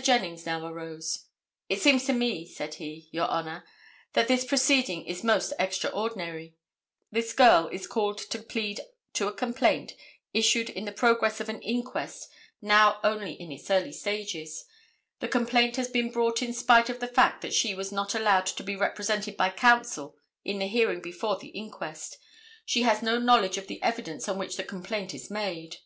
Jennings now arose. "It seems to me," said he, "your Honor, that this proceeding is most extraordinary. This girl is called to plead to a complaint issued in the progress of an inquest now only in its early stages. The complaint has been brought in spite of the fact that she was not allowed to be represented by counsel in the hearing before the inquest. She has no knowledge of the evidence on which the complaint is made.